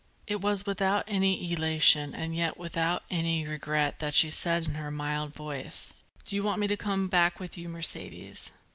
It was without any elation and yet without any regret that she said in her mild voice: "Do you want me to come back with you, Mercedes?"